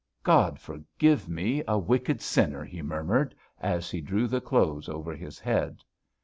"God forgive me, a wicked sinner," he murmured, as he drew the clothes over his head.